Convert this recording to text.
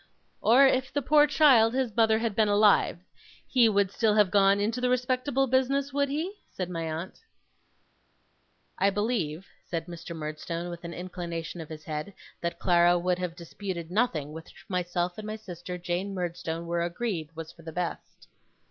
'Or if the poor child, his mother, had been alive, he would still have gone into the respectable business, would he?' said my aunt. 'I believe,' said Mr. Murdstone, with an inclination of his head, 'that Clara would have disputed nothing which myself and my sister Jane Murdstone were agreed was for the best.